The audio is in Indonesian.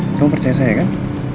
kamu percaya saya kan